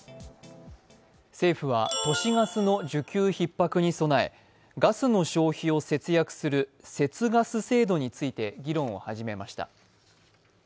政府は都市ガスの需給ひっ迫に備えガスの消費を節約する節ガス制度について議論を始めました。